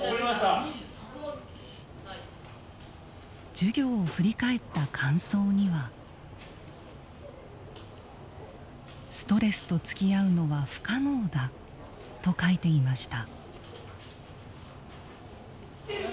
授業を振り返った感想にはストレスとつきあうのは不可能だと書いていました。